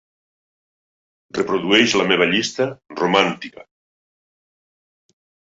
Reprodueix la meva llista "Romàntica"